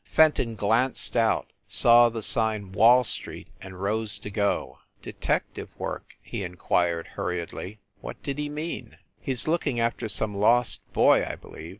Fenton glanced out, saw the sign "Wall Street" and rose to go. "Detective work?" he in quired, hurriedly, "what did he mean?" "He s looking after some lost boy, I believe.